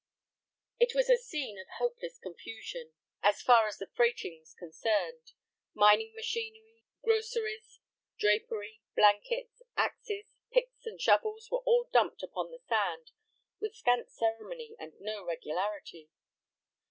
It was a scene of hopeless confusion, as far as the freighting was concerned. Mining machinery, groceries, drapery, blankets, axes, picks and shovels were all dumped upon the sand, with scant ceremony and no regularity.